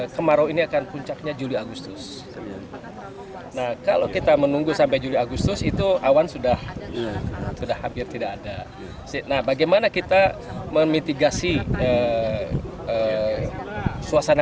kita sudah mulai menyemai air awan dijatuhkan sehingga air disimpan